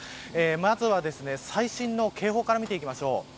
まずは最新の警報から見ていきましょう。